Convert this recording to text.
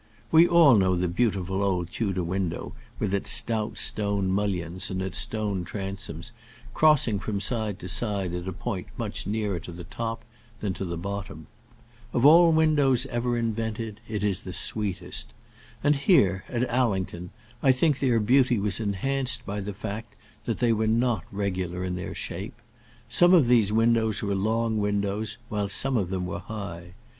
We all know the beautiful old Tudor window, with its stout stone mullions and its stone transoms, crossing from side to side at a point much nearer to the top than to the bottom. Of all windows ever invented it is the sweetest. And here, at Allington, I think their beauty was enhanced by the fact that they were not regular in their shape. Some of these windows were long windows, while some of them were high.